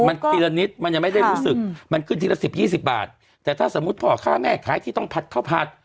มันทีละนิดมันยังไม่ได้รู้สึกมันขึ้นทีละสิบยี่สิบบาทแต่ถ้าสมมุติพ่อค้าแม่ขายที่ต้องผัดข้าวผัด